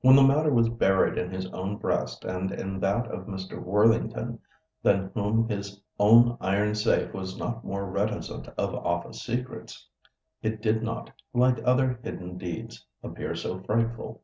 When the matter was buried in his own breast and in that of Mr. Worthington, than whom his own iron safe was not more reticent of office secrets, it did not, like other hidden deeds, appear so frightful.